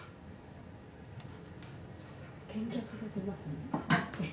「健脚が出ますね」